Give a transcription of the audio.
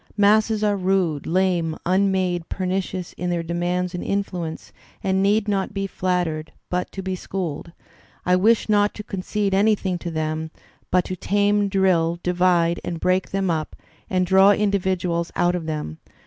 Masses are hide, lame, unmade, pernicious in their demands and influence, and need not to be flattered, but to be schooled. I wish not to concede anything to them, but to tame, drill, divide and break them up and draw individuals out of them.